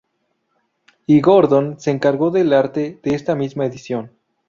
Y Gordon se encargó del arte de esta misma edición.